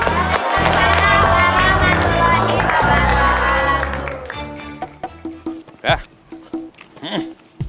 waalaikumsalam warahmatullahi wabarakatuh